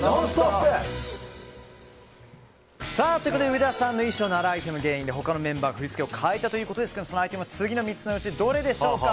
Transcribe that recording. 上田さんの衣装のあるアイテムが原因で他のメンバーの振り付けを変えたということですがそのアイテムは次の３つのうちどれでしょうか。